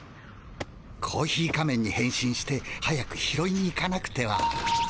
コーヒー仮面にへん身して早く拾いに行かなくては。